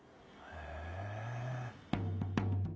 へえ。